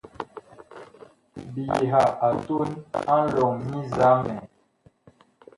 Biyiha a tun a nlɔŋ nyi nzamɛ.